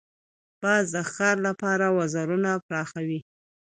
باز د ښکار لپاره وزرونه پراخوي